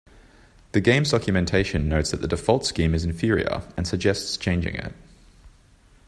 The game's documentation notes that the default scheme is inferior, and suggests changing it.